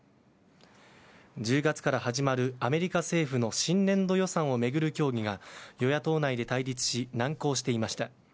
１０月から始まるアメリカ政府の新年度予算を巡る協議が与野党内で対立し難航していました。